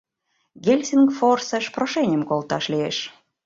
Гельсингфорсыш прошенийым колташ лиеш.